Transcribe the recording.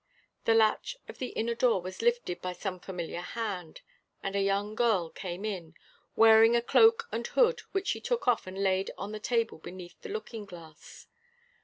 The latch of the inner door was lifted by some familiar hand, and a young girl came in, wearing a cloak and hood, which she took off and laid on the table beneath the looking glass.